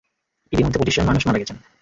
ইতোমধ্যে পচিশ জন মানুষ মারা গেছেন।